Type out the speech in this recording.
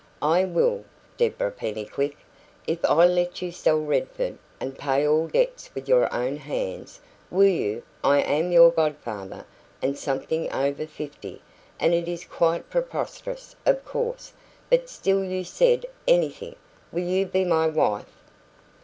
"I will. Deborah Pennycuick, if I let you sell Redford, and pay all debts with your own hands, will you I am your godfather, and something over fifty, and it is quite preposterous, of course, but still you said anything will you be my wife?"